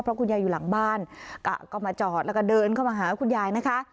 เพราะคุณยายอยู่หลังบ้านกะก็มาจอดแล้วก็เดินเข้ามาหาคุณยายนะคะ